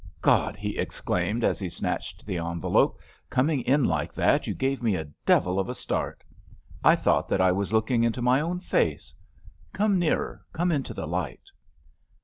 "God!" he exclaimed, as he snatched the envelope, "coming in like that, you gave me a devil of a start. I thought that I was looking into my own face! Come nearer; come into the light."